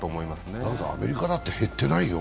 でもアメリカだって減ってないよ。